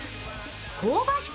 香ばしく